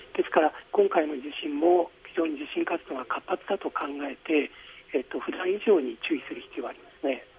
今回の地震も非常に地震活動が活発だと考えて普段以上に注意する必要があります。